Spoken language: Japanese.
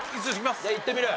じゃあいってみる？